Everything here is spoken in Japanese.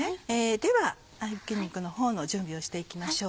では合びき肉の方の準備をしていきましょう。